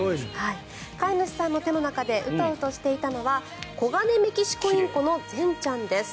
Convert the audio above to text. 飼い主さんの手の中でウトウトしていたのはコガネメキシコインコの善ちゃんです。